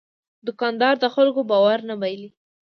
دوکاندار د خلکو باور نه بایلي.